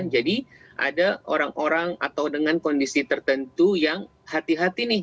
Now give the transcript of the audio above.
jadi ada orang orang atau dengan kondisi tertentu yang hati hati nih